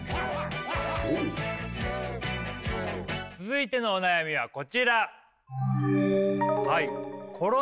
続いてのお悩みはこちら。